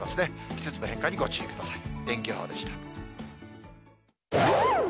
季節の変化にご注意ください。